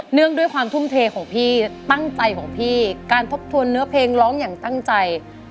งด้วยความทุ่มเทของพี่ตั้งใจของพี่การทบทวนเนื้อเพลงร้องอย่างตั้งใจ